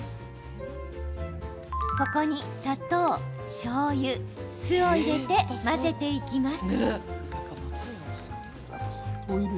ここに砂糖、しょうゆ酢を入れて混ぜていきます。